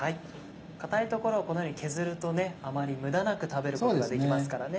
硬い所をこのように削るとねあまり無駄なく食べることができますからね。